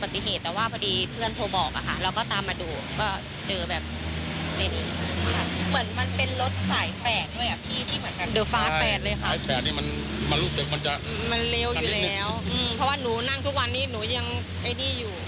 แต่เมื่อเช้ามันก็รถติด